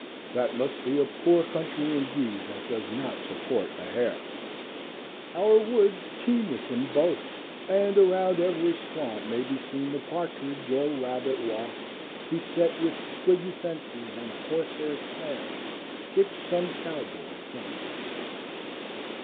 That must be a poor country indeed that does not support a hare. Our woods teem with them both, and around every swamp may be seen the partridge or rabbit walk, beset with twiggy fences and horse hair snares, which some cow boy tends.